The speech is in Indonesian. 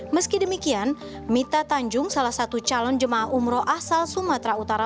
meski demikian mita tanjung salah satu calon jemaah umroh asal sumatera utara